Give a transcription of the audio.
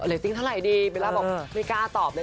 ซิงเท่าไหร่ดีเบลล่าบอกไม่กล้าตอบเลย